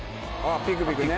ピクピク。